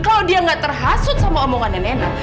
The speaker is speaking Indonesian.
kalau dia gak terhasut sama omongannya nena